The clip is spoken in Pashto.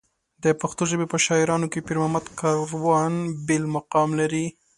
د پښتو ژبې په شاعرانو کې پېرمحمد کاروان بېل مقام لري.